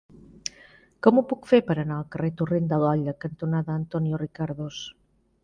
Com ho puc fer per anar al carrer Torrent de l'Olla cantonada Antonio Ricardos?